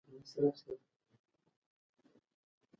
ډاکټران وايي ټولنیز وصل د خوښۍ لپاره اړین دی.